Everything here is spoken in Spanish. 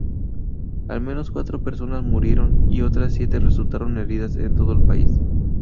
Al menos cuatro personas murieron y otras siete resultaron heridas en todo el país.